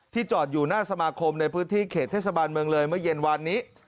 จอดอยู่หน้าสมาคมในพื้นที่เขตเทศบาลเมืองเลยเมื่อเย็นวานนี้